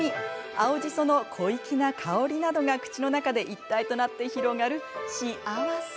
青じその小粋な香りなどが口の中で一体となって広がる幸せ。